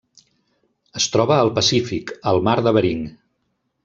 Es troba al Pacífic: el Mar de Bering.